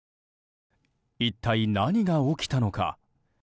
一体、何が起きたのか。